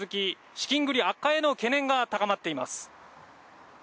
資金繰り悪化への懸念が高まっています。